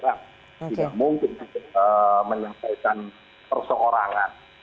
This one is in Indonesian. tidak mungkin menyampaikan per seorang